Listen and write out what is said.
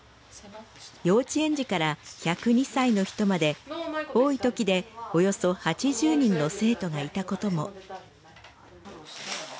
幼稚園児から１０２歳の人まで多いときでおよそ８０人の生徒がいたことも。